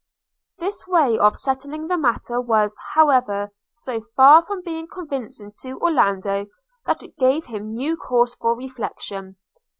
This way of settling the matter was, however, so far from being convincing to Orlando, that it gave him new cause for reflection.